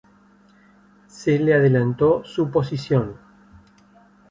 Se le adelantó su posición.